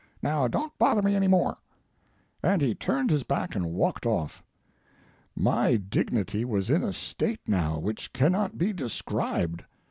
Now, don't bother me any more"; and he turned his back and walked off. My dignity was in a state now which cannot be described.